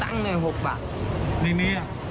วะแม่อะ